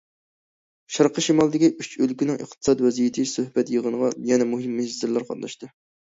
شەرقىي شىمالدىكى ئۈچ ئۆلكىنىڭ ئىقتىساد ۋەزىيىتى سۆھبەت يىغىنىغا يەنە مۇھىم مىنىستىرلار قاتناشتى.